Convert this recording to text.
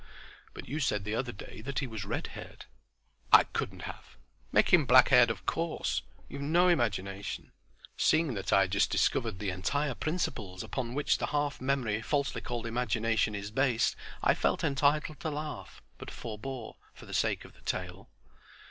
"But you said the other day that he was red haired." "I couldn't have. Make him black haired of course. You've no imagination." Seeing that I had just discovered the entire principles upon which the half memory falsely called imagination is based, I felt entitled to laugh, but forbore, for the sake of the tale.